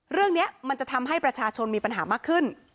เรื่องนี้มันจะทำให้ประชาชนมีปัญหามากขึ้น